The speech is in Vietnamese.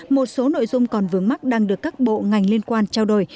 một số nội dung còn vướng mắt đang được các bộ ngành liên quan trao đổi